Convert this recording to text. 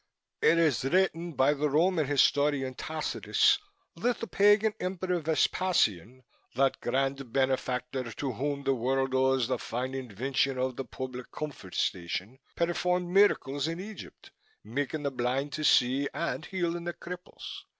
It is written by the Roman historian Tacitus that the pagan emperor Vespasian that grand benefactor to whom the world owes the fine invention of the public comfort station performed miracles in Egypt, making the blind to see, and healing the cripples.